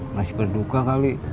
masih berduka kali